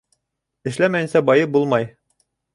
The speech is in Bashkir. Эшләмәйенсә байып булмай.